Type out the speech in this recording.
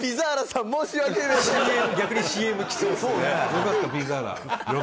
よかったピザーラ。